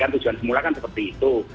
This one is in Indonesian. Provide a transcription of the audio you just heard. tujuan semula kan seperti itu